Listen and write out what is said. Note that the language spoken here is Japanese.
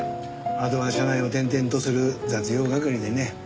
あとは社内を転々とする雑用係でね。